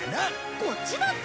こっちだって！